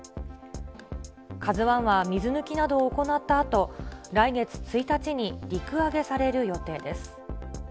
ＫＡＺＵＩは水抜きなどを行ったあと、来月１日に陸揚げされる予定です。